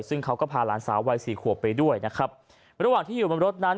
ซึ่งเขาก็พาหลานสาววัยสี่ขวบไปด้วยนะครับระหว่างที่อยู่บนรถนั้น